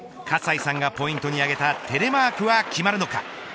葛西さんがポイントに挙げたテレマークは決まるのか。